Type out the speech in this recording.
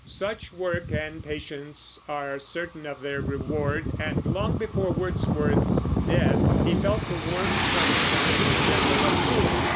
Such work and patience are certain of their reward, and long before Wordsworth's death he felt the warm sunshine of general approval.